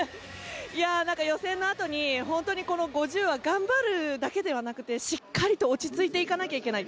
予選のあとにこの５０ｍは頑張るだけではなくてしっかりと落ち着いていかなきゃいけない。